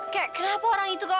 kek kenapa orang itu